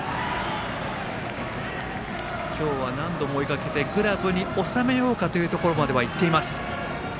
今日は何度も追いかけてグラブに収めようかというところまではいっています。